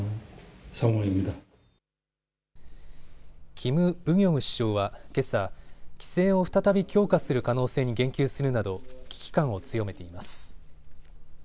キム・ブギョム首相は、けさ、規制を再び強化する可能性に言及するなど危機感を強めています。